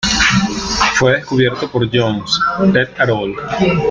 Fue descubierto por Jones "et al.